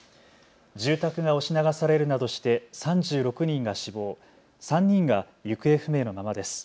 住宅が押し流されるなどして３６人が死亡、３人が行方不明のままです。